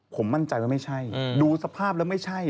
ผมมั่นใจว่าไม่ใช่ดูสภาพแล้วไม่ใช่